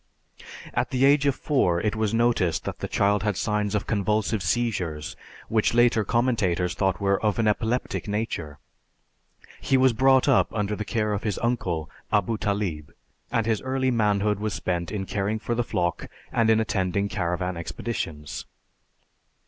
At the age of four it was noticed that the child had signs of convulsive seizures which later commentators thought were of an epileptic nature. He was brought up under the care of his uncle Abu Talib, and his early manhood was spent in caring for the flock and in attending caravan expeditions.